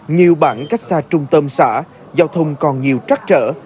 nhiều bản cách xa trung tâm xã giao thông còn nhiều trắc trở